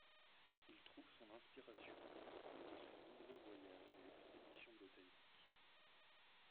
Il trouve son inspiration au cours de ses nombreux voyages et expéditions botaniques.